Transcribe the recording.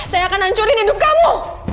saya akan hancurin hidup kamu